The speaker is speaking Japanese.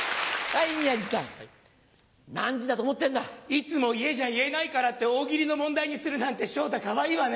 いつも家じゃ言えないからって大喜利の問題にするなんて昇太かわいいわね。